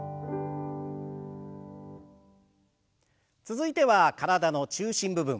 続いては体の中心部分。